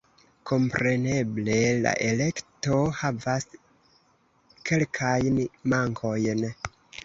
Kompreneble la elekto havas kelkajn mankojn.